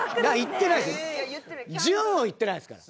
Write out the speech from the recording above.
「ジュン」を言ってないですから。